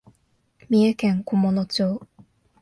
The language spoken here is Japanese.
三重県菰野町